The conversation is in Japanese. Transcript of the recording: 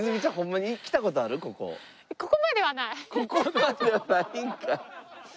ここまではないんかい。